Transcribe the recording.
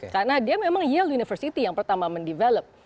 karena dia memang yale university yang pertama mendevelop